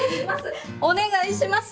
お願いします！